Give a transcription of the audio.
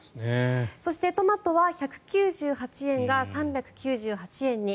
そしてトマトは１９８円が３９８円に。